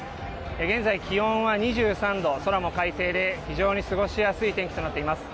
現在、気温は２３度、空も快晴で、非常に過ごしやすい天気となっています。